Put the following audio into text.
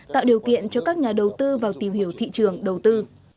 tạo điều kiện cho các nhà đầu tư vào tìm hiểu thị trường đầu tư